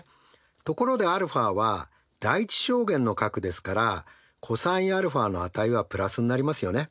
ところでαは第１象限の角ですからｃｏｓαの値はプラスになりますよね。